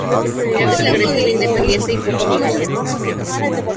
Su personalidad es agresiva, independiente y poco amigable.